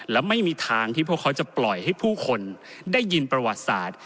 และไม่มีทางที่พวกเขาจะปล่อยให้ผู้คนได้ยินประวัติศาสตร์